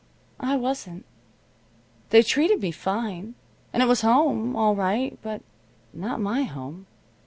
I wasn't. They treated me fine, and it was home, all right, but not my home.